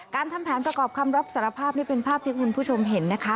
ทำแผนประกอบคำรับสารภาพนี่เป็นภาพที่คุณผู้ชมเห็นนะคะ